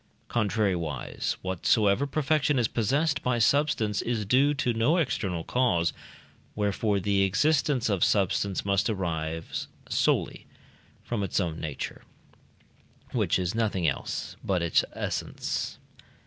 Contrariwise, whatsoever perfection is possessed by substance is due to no external cause; wherefore the existence of substance must arise solely from its own nature, which is nothing else but its essence.